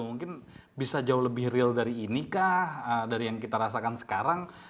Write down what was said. mungkin bisa jauh lebih real dari ini kah dari yang kita rasakan sekarang